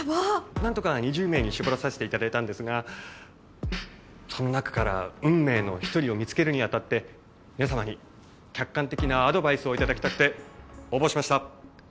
何とか２０名に絞らさせて頂いたんですがその中から運命の１人を見つけるにあたって皆様に客観的なアドバイスを頂きたくて応募しました。